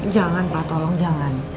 jangan pak tolong jangan